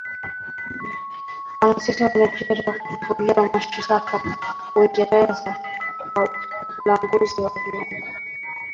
Mwanasiasa wa Nigeria afunguliwa mashitaka Uingereza kwa ulanguzi wa viungo